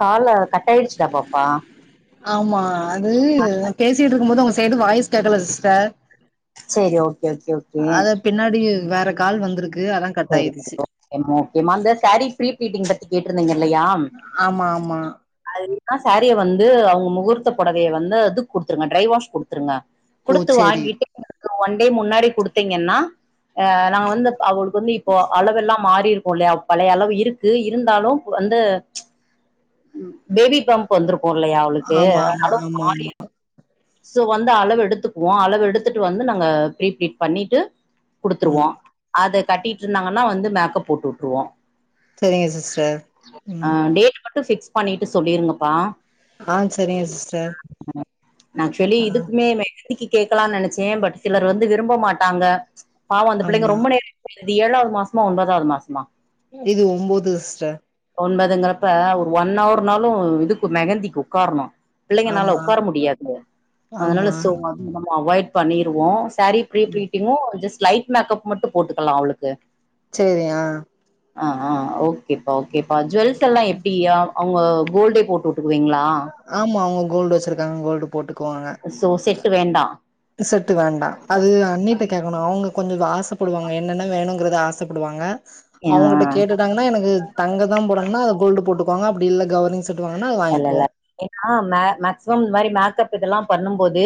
கால் லு கட்டாயிடுச்சுடா பாப்பா ஆமா அது பேசிட்ருக்கும் போது உங்க சைடு வாய்ஸ் கேக்கல சிஸ்டர் செரி ஓகே ஓகே ஓகே அத பின்னாடி வேற கால் வந்துருக்கு அதா கட் ஆயிடுச்சு எம்மா ஓகேமா அந்த சாரி ஃப்ரீ ப்ளீட்டிங் கேட்டிருந்தீங்க இல்லையா ஆமா ஆமா அதுன்னா சாரிய வந்து அவுங்க முகூர்த்த பொடவைய வந்து அதுக் குடுத்துருங்க ட்ரை வாஷ் குடுத்துருங்க ஓ குடுத்து செரி வாங்கிட்டு எனக்கு ஒன் டே முன்னாடி குடுத்தீங்கென்னா ஆ நா வந்து இப்ப அவு துணி இப்போ அளவெல்லா மாறி இருக்கு போலயா பழைய அளவு இருக்கு இருந்தாலு வந்து பேபி பம் ப்பு வந்துருக்கு இல்லையா அவளுக்கு ஆமா ஆமா அளவு ஆமா மாறி ஆமா இருக் சோ வந்து அளவு எடுத்துக்குவோ அளவு எடுத்துட்டு வந்து நாங்க ஃப்ரீ ப்ளீட் பண்ணீட்டு குடுத்துருவோ ம் அத கட்டிட்ருந்தாங்கன்னா வந்து மேக்கப் போட்டு வுட்ருவோ செரிங்க சிஸ்டர் ஆ ம் டேட் மட்டும் பிக்ஸ் பண்ணிட்டு சொல்லிருங்கப்பா ஆ செரிங்க சிஸ்டர் நா ஆக்சுவலி ஆ இதுக்குமே மெஹந்திக்கி கேக்கலான் நெனச்சே பட் சிலர் வந்து விரும்ப மாட்டாங்க பாவோ அந்த ஆமா புள்ளைங்க ரொம்ப நேரோ இது ஏழாவது மாசமா ஒன்பதாவது மாசமா இது ஒம்போது சிஸ்டர் ஒன்பதுங்கிறப்ப ஒரு ஒன் அவர்னாலு இதுக்கு மெகந்திக்கு உக்காரணூ பிள்ளைங்கனால ஆமா உக்கார முடியாது அதனால ஆமா சோ அ நம்ம அவாய்ட் பண்ணிருவோ சேரீ ப்ரீ பீளிட்டிங்கும் ஜஸ்ட் லைட் மேக்கப் மட்டும் போட்டுக்கலா அவளுக்கு சேரி ஆ ஆ ஆ ஓகேப்பா ஓகேப்பா, ஜுவல்ஸ் எல்லாம் எப்டியா. அவுங்க கோல்டே போட்டுவுட்டுக்குவீங்ளா. ஆமா அவுங்க கோல்டு வச்சுருக்காங்க, கோல்டு போட்டு க்குவாங்க, சோ செட்டு வேண்டா செட்டு வேண்டா அது அண்ணிட்ட அது கேக்கணும் அவுங்க கொஞ்சோ ஆசப்படுவாங்க. என்னென்ன வேணுங்கறத ஆசப்படுவாங்க. ஆ அவுங்கட்ட கேட்டுட்டாங்கன்னா எனக்கு தங்க தா போடுனும்னா, அது கோல்டு போட்டுக்குவாங்க. அப்டி இல்ல கவரிங் செ ட்டு வாங்கன்னா வாய்ங்குவோ ஏன்னா மே மேக்சிமம் இந்த மாரி மேக்கப் இதெல்லாம் பண்ணும் போது,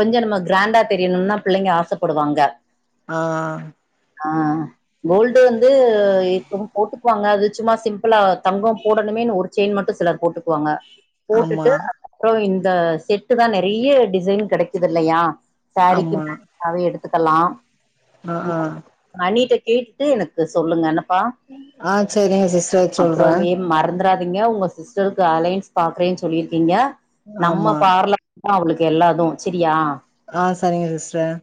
கொஞ்சோ நம்ம கிராண்டா தெரியணும்னா, பிள்ளைங்க ஆசைப்படுவாங்க. ஆ ஆ கோல்டு வந்து இப்பவும் போட்டுக்குவாங்க. அது சும்மா சிம்பிளா தங்கம் போடணுமேன் ஒரு செயின் மட்டும் சிலர் போட்டுக்குவாங்க, ஆமா போட்டுட்டு அப்புறோ இந்த செட்டு தான் நெறைய டிசைன் கெடைக்குதுல்லையா சாரிக்கு ஆமா மேட்சா அதை எடுத்துக்கல்லா ஆ ஆ உங்க அண்ணிட்ட கேட்டு, எனக்கு சொல்லுங்க என்னப்பா. ஆ செரிங்க சிஸ்டர் சொல்றே அப்றமே மறந்துறா திங்க, உங்க சிஸ்டருக்கு அலையன்சு பாக்கறேன்னு சொல்லியிருக்கீங்க. நம்ம ஆமா பார்லர் தா அவுங்களுக்கு எல்லாதும் சரியா. ஆ சரிங்க சிஸ்டர்.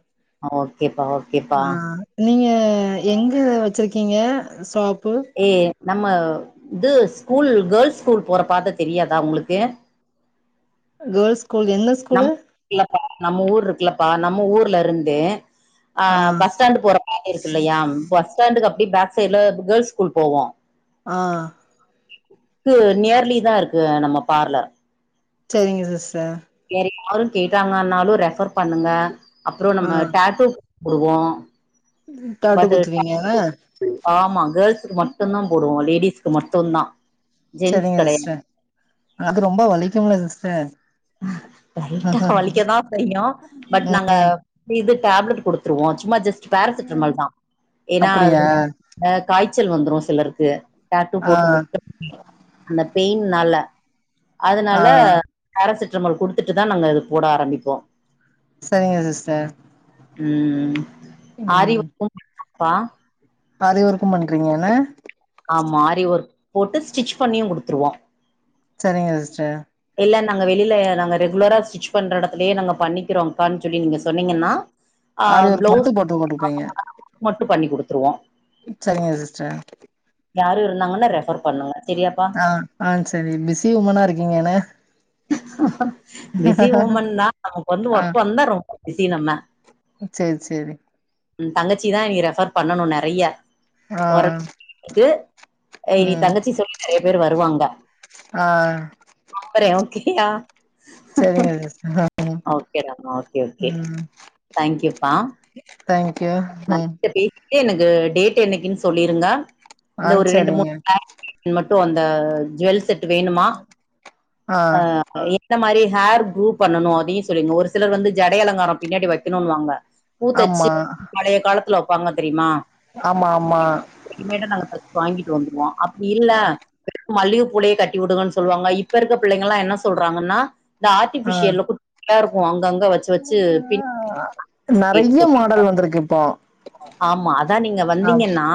ஆ ஓகேப்பா ஓகே ஆ நீங்க எங்க வச்சிருக்கீங்க ஷாப்பு. ஏ நம்ம இது ஸ்கூல் கேள்ஸ் ஸ்கூல் போற பாத தெரியாதா உங்களுக்கு. கேள்ஸ் ஸ்கூல் என்ன ஸ்கூலு நம் இருக்கலப்பா, நம்ம ஊர் இருக்குலப்பா நம்ம ஊர்ல இருந்து ஆ பஸ் ஸ்டாண்டு போற பாத இருக்குல்லையா, பஸ் ஸ்டாண்டுக்கு அப்டியே பேக் சைடு்ல கேர்ள்ஸ் ஸ்கூல் போவோ ஆ கு நியர்லி தா இருக்கு, நம்ம பார்லர். சேரிங்க சிஸ்டர் வேற யாரும் கேட்டாங்கன்னாலும் ரெஃபர் பண்ணுங்க. அப்றோம் ஆ நம்ம டாட்டூ போடுவோம். டாட்டூ குத்துவிங்களா. ஆமா கேர்ள்ஸுக்கு மட்டும்தா போடுவோ லேடிஸ்க்கு மட்டும்தா சரிங்க சிஸ்டர், அது ரொம்ப வலிக்கும்ல சிஸ்டர். லைட்டா வலிக்க தா செய்யும், பட் ம் நாங்க இது டேப்லெட் குடுத்துருவோ. சும்மா ஜஸ்ட் பேராசிட்டமல் தா ஏன்னா அப்டியா அது அ காய்ச்சல் வந்துரும் சிலருக்கு டாட்டூ ஆ போட்டு முடிச்ச அந்த பெயின்னால ஆ அதனால பேரசிட்டமல் குடுத்துட்டு தா நாங்க அது போட ஆரம்பிப்போ சேரிங்க சிஸ்டர் ம் ம் ஆரி ம் ஒர்க்கும் இருக்குப்பா ஆரி ஒர்க்கும் பண்றீங்களான ஆமா ஆரி ஒர்க் போட்டு ஸ்டிச் பண்ணியும் குடுத்துருவோம். சரிங்க சிஸ்டர் இல்ல நாங்க வெளில நாங்க ரெகுலரா ஸ்டிச் பண்ற இடத்துலயே நாங்க பண்ணிக்கிறோம்பா சொல்லி நீங்க சொன்னீங்கன்னா ஆரி ஒர்க் மட்டும் போட்டு குடுப்பீங்க மட்டும் பண்ணி குடுத்துருவோம் சரிங்க சிஸ்டர் யாரும் இருந்தாங்கன்னா ரெஃபர் பண்ணுங்க செரியாப்பா ஆ ஆ செரி பிஸி உமனா இருக்கீங்கனே பிஸி உமன் தா நமக்கு வந்து ஒர்க் வந்தா ரொம்ப பிஸி நம்ம சேர் சேரி தங்கச்சி தான் நீ ரெஃபர் பண்ணணும் நறையா ஆ ஆ ஓகே இனி தங்கச்சி சொல்லி நறைய பேர் வருவாங்க ஆ நம்பறே ஓகோ ஆ சரிங்க சிஸ்டர் ஓகேடா ஓகே ஓகே ம் தேங்க்யூப்பா தேங்க்யூ நான் ம் கிட்ட பேசிட்டு எனக்கு டேட் என்னிக்கின் சொல்லிருங்க ஆ இந்த ஒரு ரெண்டு மூ சரிங்க நா மட்டும் அந்த ஜுவல் செட் வேணுமா ஆ அ எந்த மாரி ஹேர் க்குரூ பண்ணணும் அ அதையும் சொல்லுங்க ஒரு சிலர் வந்து ஜடை அலங்காரம் பின்னாடி வைக்கணும்ன்னனுவாங்க பூத்தச்சு ஆமா பழைய காலத்துல வைப்பாங்க தெரியுமா ஆமா ஆமா இனிமேளு கேட்ட நாங்க வாங்கிட்டு வந்துருவோம் அப்டி இல்ல மல்லிகைப்பூலையே கட்டி விடுங்கன்னு சொல்லுவாங்க இப்ப இருக்கற பிள்ளைங்களாம் என்ன சொல்றாங்கன்னா.. இந்த ஆ ஆர்டிபிஷியல்ல குட்டியா இருக்கும் அங்கங்க வச்சு வச்சு பின் கேட்டு நெறைய சொறிவுக்குவாங்க மாடல் வந்திருக்கு இப்போ ஆமா அதான் நீங்க ஆ வந்தீங்கன்னா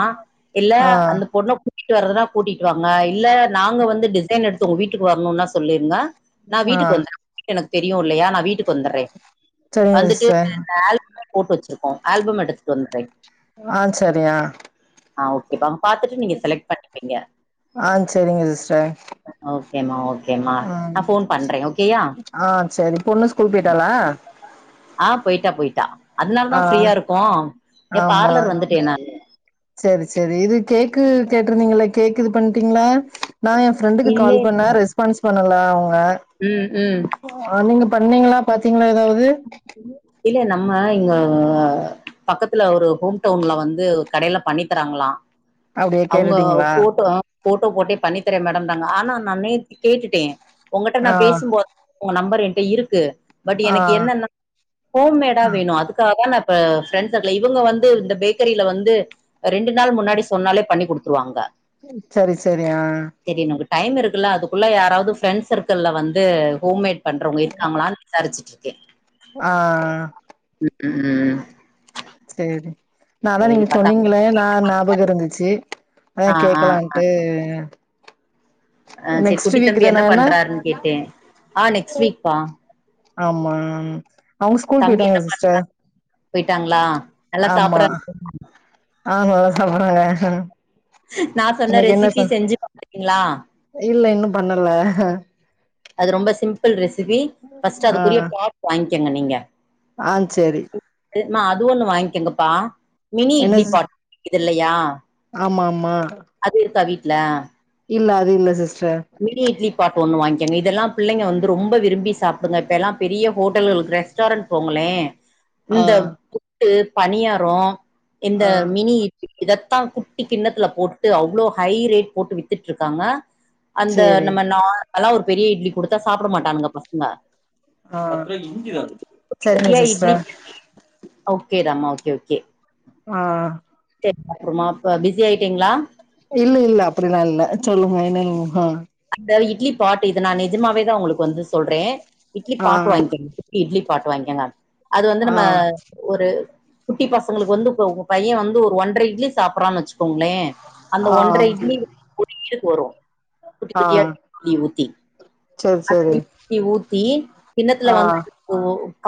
இல்ல ஆ அந்த பொண்ண கு கூட்டிட்டு வர்றதுனா கூட்டிட்டு வாங்க இல்ல நாங்க வந்து டிசைன் எடுத்து உங்க வீட்டுக்கு வரணும்னா சொல்லிருங்க நான் ஆ வீட்டுக்கு வந்துறேன் உங்க வீடு எனக்கு தெரியும் இல்லையா நான் வீட்டுக்கு வந்துறேன் சரிங்க வந்துட்டு சிஸ்டர் அந்த ஆல் போட்டு வச்சிருக்கோம் ஆல்பம் எடுத்துட்டு வந்துறேன் ஆ சரி ஆ ஆ ஓகேப்பா பாத்துட்டு நீங்க செலக்ட் பண்ணிப்பீங்க ஆ சரிங்க சிஸ்டர் ஓகேமா ஓகேமா ம் நான் ஃபோன் பண்றேன் ஓகேயா ஆ சரி பொண்ணு ஸ்கூல் போயிட்டாலா ஆ போயிட்டா போயிட்டா அதனால ஆ தான் ஃப்ரீயா இருக்கோ இங்க பார்லர் வந்துட்டே நானு சேரி சேரி இது கேக்கு கேட்டிருந்தீங்கள கேக் இது பண்ணிட்டீங்களா? நான் என் ஃபிரெண்டுக்கு கால் பண்ணேன் ரெஸ்பான்ஸ் பண்ணல அவுங்க ம் ம் ஆ நீங்க பண்ணீங்களா பாத்தீங்களா ஏதாவது இல்ல நம்ம இங்க பக்கத்துல ஒரு ஹோம்டவுன்ல வந்து கடையில பண்ணி தராங்களாம் அப்டியே அவுங்க கேட்டுட்டீங்களா போட்டோ போட்டோ போட்டே பண்ணி தரேன் மேடம் தாங்க ஆனா நான் நேத்தி கேட்டுட்டேன் உங்கிட்ட ஆ நான் பேசும்போ உங்க நம்பர் என்கிட்ட இருக்கு பட் ஆ எனக்கு என்னன்ன ஹோம்மேடா ஆ வேணும் அதுக்காக நான் இந்த ப்ரெண்ட் சர்க்கள இவங்க வந்து இந்த பேக்கரியில வந்து ரெண்டு நாள் முன்னாடி சொன்னாலே பண்ணி குடுத்துருவாங்க ம் சரி சரி ஆ சரி நமக்கு டைம் இருக்குல்ல அதுக்குள்ள யாராவது ஃப்ரெண்ட் சர்க்கிள்ல வந்து ஹோம்மேட் பண்றவங்க இருக்காங்களான்னு விசாரிச்சுட்டு இருக்கே ஆ ம் ம் சேரி நா தான் சரி நீங்க பாத்தா சொன்னீங்களே நான் ஞாபக இருந்துச்சு அதா ஆ ஆ கேக்கலான்ட்டு ஆ செரி நெக்ஸ்ட் குட்டி வீக் தம்பி என்ன தானேன பண்றாருன்னு கேட்டே ஆ நெக்ஸ்ட் வீக்பா ஆமா அவுங்க ஸ்கூல் தம்பி போயிட்டாங்க என்ன பண் சிஸ்டர் போயிட்டாங்களா நல்லா ஆமா சாப்பறாங்க அ நல்லா சாப்பிடுவாங்க‌ அ நா சொன்ன ரெசிபி செஞ்சு பாத்திருக்கீங்களா இல்ல இன்னும் பண்ணல ஹ அது ரொம்ப சிம்பிள் ரெசிபி ஃபஸ்ட் ஆ அதுக்குரிய பாப் வாங்கிக்கங்க நீங்க ஆ சேரி மா அது ஒண்ணு வாங்கிக்கங்கப்பா மினி என்ன இட்லி சிஸ் பாட் இருக்குது இல்லையா ஆமா ஆமா அது இருக்கா வீட்ல இல்ல அது இல்ல சிஸ்டர் மினி இட்லி பாட் ஒண்ணு வாங்கிக்கோங்க இதெல்லா பிள்ளைங்க வந்து ரொம்ப விரும்பி சாப்பிடுங்க இப்ப எல்லா பெரிய ஹோட்டல்களுக்கு ரெ ஸ்டாரண்ட் போங்களே ஆ இந்த புட்டு பணியாரோ இந்த ஆ மினி இ இதத்தா குட்டி கிண்ணத்துல போட்டுட்டு அவ்ளோ ஹை ரேட் போட்டு வித்துட்டு இருக்காங்க அந்த சேரி நம்ம நார்மல்ல ஒரு பெரிய இட்லி குடுத்தா சாப்பிட மாட்டானுங்க பசங்க ஆ செரிங்க ‌சிஸ்டர் ஓகேடாம்மா ஓகே ஓகே ஆ சரிமா அப்புறமாப் பிஸி ஆயிட்டீங்களா இல்ல இல்ல அப்டிலா இல்ல சொல்லுங்க என்ன அந்த இட்லி பாட் இது நான் நிஜமாவே தா உங்களுக்கு வந்து சொல்றே இட்லி ஆ பாட் வாங்கிக்கங்க இட்லி பாட் வாங்கிக்கங்க அது வந்து ஆ நம்ம ஒரு குட்டி பசங்களுக்கு வந்து உங்க பையன் வந்து ஒரு ஒன்றரை இட்லி சாப்பறான்னு வச்சுக்கோங்களேன் அந்த ஆ ஒன்ற இட்லி ஒரு ஈடுக்கு வரு குட்டி ஆ குட்டியா [inaudible] ஊத்தி சேரி அ சேரி இட்லி ஊத்தி கிண்ணத்துல ஆ வந்து ஒ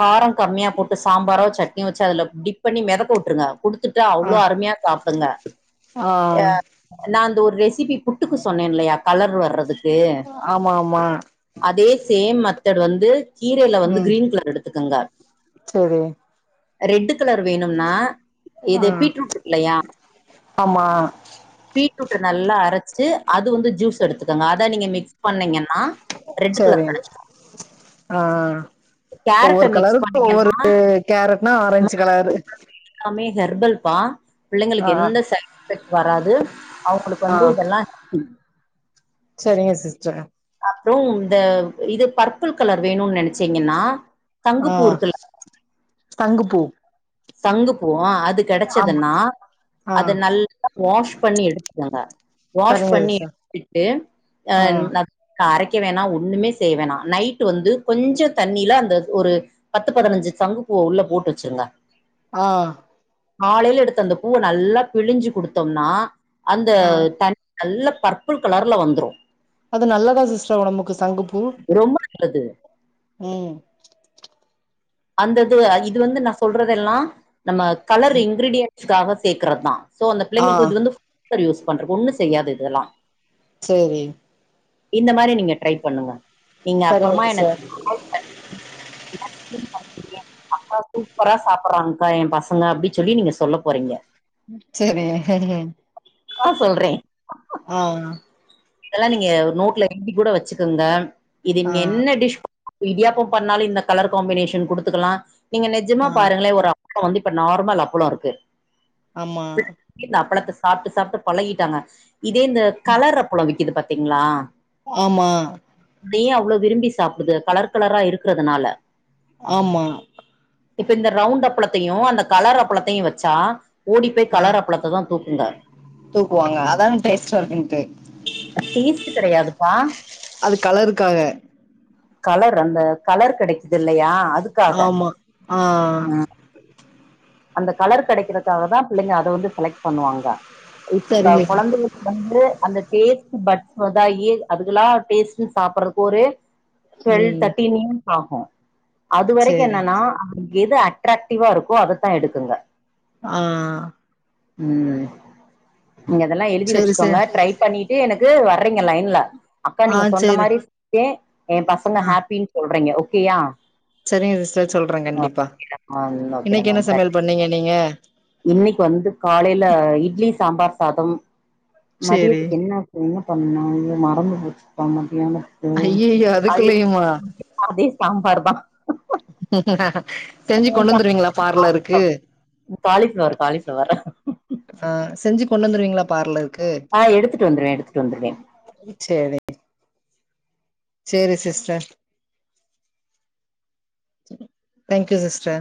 ‌காரம் கம்மியா போட்டு சாம்பாரோ சட்னியோ வச்சு அதுல டிப் பண்ணி மிதக்க விட்டுருங்க குடுத்துட்டா ஆ அவ்ளோ அருமையா சாப்புடுங்க ஆ அ நா அந்த ஒரு ரெசிபி புட்டுக்கு சொன்னேன் இல்லையா கலர் வர்றதுக்கு ஆமா ஆமா அதே சேம் மெத்தட் வந்து கீரையில வந்து கிரீன் கலர் எடுத்துக்குங்க செரி ரெட்டு் கலர் வேணும்னா இது ம் பீட்ரூட் இருக்கு இல்லையா ஆமா பீட்ரூட்ட நல்லா அரைச்சுட்டு அது வந்து ஜூஸ் எடுத்துக்குங்க அத நீங்க மிக்ஸ் பண்ணீங்கன்னா ரெட்டு கலர் சேரி கிடைச்சுடு ஆ கேரட்ட ஒவ்வொரு மிக்ஸ் கலருக்கு ஒவ்வொரு பண்ணீங்கன்னா கேரட்னா ஆரஞ்சு கலரு எல்லாமே ஹெர்பல்பா ஆ பிள்ளைங்களுக்கு எந்த சைட் எஃபெக்ட் வராது அவுங்களுக்கு வந்து இதெல்லா சரிங்க சிஸ்டர் அதும் இந்த இது பர்பிள் கலர் வேணுனு நெனச்சீங்கன்னா அ சங்குப்பூ இருக்குல்ல சங்குப்பூ சங்கு பூ‌‌ அ அது ஆமா கெடச்சதுன்னா ஆ அத நல்லா வாஷ் பண்ணி எடுத்துக்குங்க வாஷ் சரிங்க பண்ணி சிஸ்டர் எடுத்துட்டு அ ஆ ந அரக்க வேணா ஒண்ணுமே செய்ய வேணா நைட் வந்து கொஞ்ச தண்ணில அந்த ஒரு பத்து பதினஞ்சு சங்குப்பூவ உள்ள போட்டு வச்சிருங்க ஆ காலையில எடுத்து அந்த பூவ நல்லா பிழிஞ்சு குடுத்தோம்ன அந்த ஆ தண் நல்ல பர்புள் கலர்ல வந்துரு அது நல்லதா சிஸ்டர் ஒடம்புக்கு சங்கு பூ ரொம்ப நல்லது ம் அந்தது இது வந்து நா சொல்றது எல்லா நம்ம கலர் இன்கிரீடியன்ஸ்காக சேக்குறதா சோ அந்த ஆ பிள்ளைங்களுக்கு இது வந்து [inaudible] யூஸ் பண்றது ஒண்ணு செய்யாது இதுல்லா சரி இந்த மாரி நீங்க டிரை பண்ணுங்க நீங்க அப்பறமா சரிங்க என்னக் சார் கால் பன்னி [inaudible] அக்கா சூப்பரா சாப்பறாங்கா ஏ பசங்க அப்டி சொல்லி நீங்க சொல்ல போறீங்க சரிங்க சரிங்க ஆ சொல்றே ஆ அ இதெல்லா நீங்க நோட்ல எழுதி கூட வச்சுக்கங்க இது ஆ நீங்க என்ன டிஷ் இடியாப்ப பண்ணாலு இந்த கலர் காம்பினேஷன் குடுத்துக்கலா நீங்க நெஜமா ஆ பாருங்களே ஒரு அ ப்பள வந்து இப்ப நார்மல் அப்பள இருக்கு ஆமா இந்த அப்பளத்த சாப்ட்டு சாப்ட்டு பழகிட்டாங்க இதே இந்த கலர் அப்பள விக்குது பாத்தீங்களா ஆமா அப்டியே அவ்ளோ விரும்பி சாப்டுதுக கலர் கலரா இருக்குறதுதுனால ஆமா இப்ப இந்த ரவுண்டு அப்பளத்தையு அந்த கலர் அப்பளத்தையு வச்சா ஓடி போய் ஆ கலர் அப்பளத்த தா தூக்குங்க தூக்குவாங்க அதான டேஸ்ட்டா இருக்குன்ட்டு டேஸ்ட்டு கெடையாதுப்பா அது கலருக்காக கலர் அந்த கலர் கெடைக்குது இல்லையா அதுக்காக ஆமா ஆ ம் அந்த கலர் கெடக்கிறதுக்காகதா பிள்ளைங்க அத வந்து செலக்ட் பண்ணுவாங்க இப்ப சரிங்க சார் கொழந்தைகளுக்கு வந்து அந்த டேஸ்ட்டு பட் [unintelligible] அதுக்கலா டேஸ்டு சாப்பறக்கு ஒரு டுவெல் ம் தேர்ட்டின்யு ஆகு அது வரைக்கு சேரி என்னன்னா எது அட்ராக்டிவா இருக்கோ அததா எடுக்குங்க ஆ ம் நீங்க அதெல்லா எழுதி சேரி வச்சுக்கோங்க சேரி டிரை பண்ணிட்டு எனக்கு வர்றீங்க லைன்ல அக்கா ஆ நீங்க சொன்ன சேரி மாரி [inaudible] ஏ பசங்க ஹாப்பீன் சொல்றிங்க ஓகேயா செரிங்க சிஸ்டர் சொல்ற கண்டிப்பா ஓகேடா மேம் ஓகேடா இன்னைக்கு என்ன மேம் சமையல் பண்ணிங்க நீங்க இன்னைக்கு வந்து காலைல இட்லி சாம்பார் சாதம் சேரி மதியத்துக் என்ன பண் என்ன பண்ணோ அய்யோ மறந்து போச்சுப்பா மத்தியானதுக்கு ஐய்யய்யோ அதுக்குள்ளயுமா அதே சாம்பார் தா செஞ்சு கொண் வந்துருவீங்களா பார்லருக்கு காலிஃப்ளவர் காலிஃப்ளவர் ஆ செஞ்சு கொண் வந்துருவீங்களா பார்லர் ஆ எடுத்துட்டு வந்துருவே எடுத்துட்டு வந்துருவே சேர்ரா சேரி சிஸ்டர் தேங்க்யூ சிஸ்டர்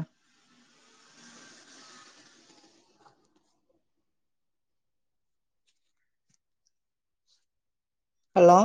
ஹலோ